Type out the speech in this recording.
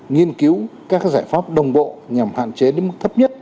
nghiên cứu các giải pháp đồng bộ nhằm hạn chế đến mức thấp nhất